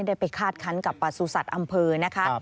ได้ไปคาดคั้นกับประสูจน์สัตว์อำเภอนะคะ